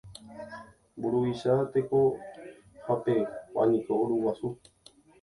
Mburuvicha tekohapeguániko Uruguasu